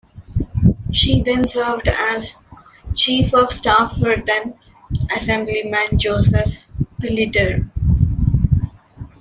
She then served as Chief of Staff for then-Assemblyman Joseph Pillittere.